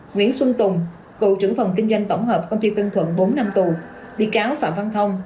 nguyễn xuân tùng cựu trưởng phòng kinh doanh tổng hợp tp hcm bốn năm tù bị cáo phạm văn thông